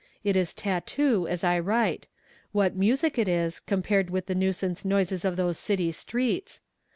It is tattoo, as I write; what music it is, compared with the nuisance noises of those city streets!